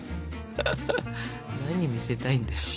何見せたいんだよ。